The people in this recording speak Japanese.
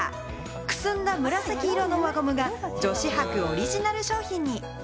くすんだ紫色の輪ゴムが女子博オリジナル商品に。